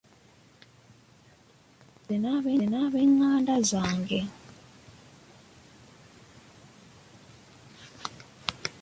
Nze n'abenganda zange.